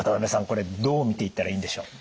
これどう見ていったらいいんでしょう？